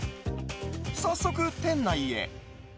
早速、店内へ。